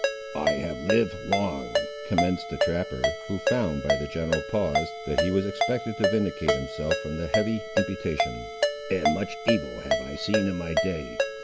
"I have lived long," commenced the trapper, who found, by the general pause, that he was expected to vindicate himself from the heavy imputation, "and much evil have I seen in my day.